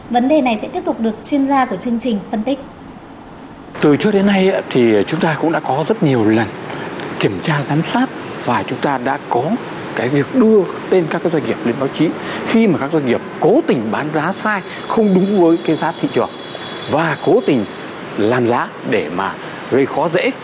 vấn đề này sẽ tiếp tục được chuyên gia của chương trình phân tích